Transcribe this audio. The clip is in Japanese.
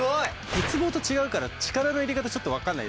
鉄棒と違うから力の入れ方ちょっと分かんない。